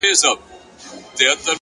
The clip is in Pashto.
وخت د هرې پرېکړې اغېز ساتي.!